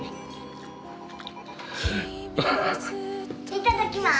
いただきます。